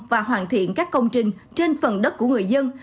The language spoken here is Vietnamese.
và hoàn thiện các công trình trên phần đất của người dân